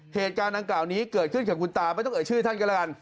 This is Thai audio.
เหตุการณ์ดังกล่าวนี้เกิดขึ้นกับคุณตาไม่ต้องเอ่ยชื่อท่านก็แล้วกัน